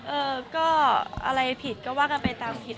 เออก็อะไรผิดก็ว่ากันไปตามผิด